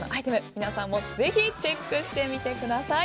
皆さんもぜひチェックしてみてください。